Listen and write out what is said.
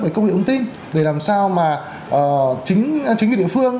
về công nghệ ứng tin để làm sao mà chính quyền địa phương